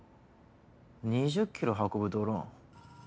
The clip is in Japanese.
２０ｋｇ運ぶドローン？